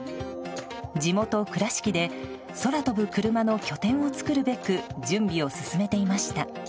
地元・倉敷で空飛ぶクルマの拠点を作るべく準備を進めていました。